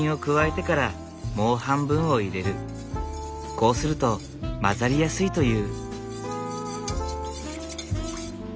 こうすると混ざりやすいという。